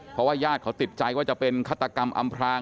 เพราะว่าญาติเขาติดใจว่าจะเป็นฆาตกรรมอำพราง